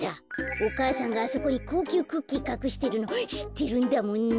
お母さんがあそこにこうきゅうクッキーかくしてるのしってるんだもんね。